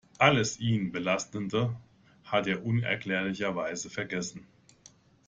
Alles ihn belastende hat er unerklärlicherweise vergessen.